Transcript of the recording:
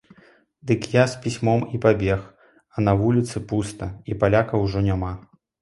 Дык я з пісьмом і пабег, а на вуліцы пуста і палякаў ужо няма.